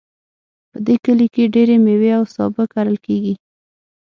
په دې کلي کې ډیری میوې او سابه کرل کیږي